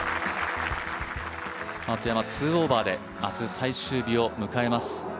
松山、２オーバーで明日、最終日を迎えます。